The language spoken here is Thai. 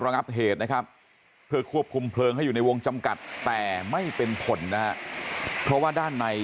ระงับเหตุนะครับเพื่อควบคุมเพลิงให้อยู่ในวงจำกัด